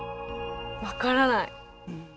分からない。